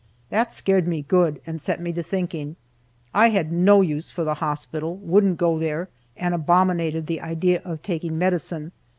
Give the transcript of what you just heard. That scared me good, and set me to thinking. I had no use for the hospital, wouldn't go there, and abominated the idea of taking medicine.